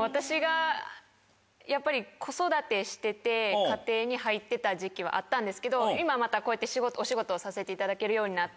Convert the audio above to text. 私がやっぱり子育てしてて家庭に入ってた時期はあったんですけど今またこうやってお仕事をさせていただけるようになって。